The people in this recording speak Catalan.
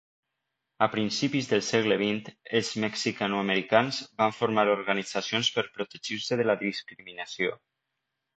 A principis del segle XX, els mexicanoamericans van formar organitzacions per protegir-se de la discriminació.